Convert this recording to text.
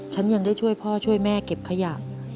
ฉันยังได้ช่วยพ่อช่วยแม่เก็บขยะ